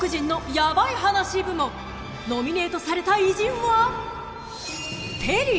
［ノミネートされた偉人は］